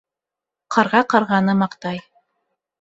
Ҡарға ҡарғаны маҡтай.